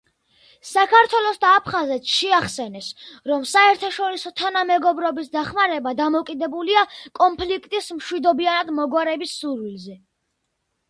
საქართველოს და აფხაზეთს შეახსენეს, რომ საერთაშორისო თანამეგობრობის დახმარება დამოკიდებულია კონფლიქტის მშვიდობიანად მოგვარების სურვილზე.